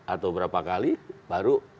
atau berapa kali baru